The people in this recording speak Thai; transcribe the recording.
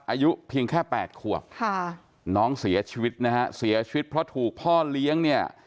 อายุเพียงแค่แปดขวบค่ะน้องเสียชีวิตนะฮะเสียชีวิตเพราะถูกพ่อเลี้ยงเนี่ย